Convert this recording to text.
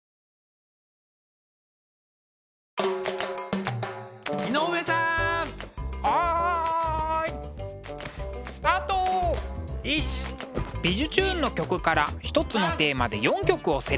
「びじゅチューン！」の曲から１つのテーマで４曲をセレクト。